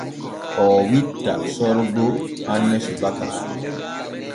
Oo witta Sorgo hanne subaka.